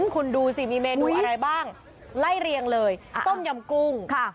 คุณดูสิมีเมนูอะไรบ้างไล่เรียงเลยต้มยำกุ้ง